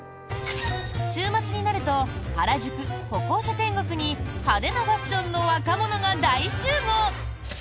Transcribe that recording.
週末になると原宿・歩行者天国に派手なファッションの若者が大集合！